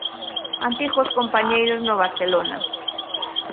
Antigos compañeiros no Barcelona.